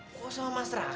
kau sama mas raka